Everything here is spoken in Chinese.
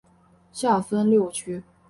下分六区。